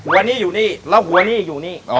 วันนี้อยู่นี่แล้วหัวนี้อยู่นี่